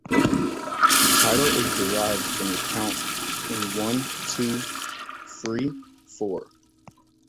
The title is derived from the count-in One, two, 'free, four!